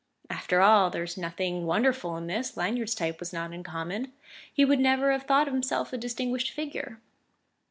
After all, there was nothing wonderful in this; Lanyard's type was not uncommon; he would never have thought himself a distinguished figure.